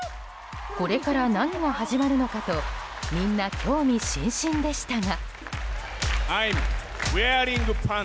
これから何が始まるのかとみんな興味津々でしたが。